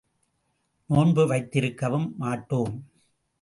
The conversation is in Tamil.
நோன்பு வைத்திருக்கவும் மாட்டோம்.